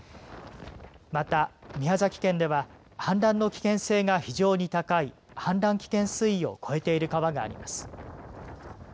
また、宮崎県では氾濫の危険性が非常に高い氾濫危険水位を超えている川があります。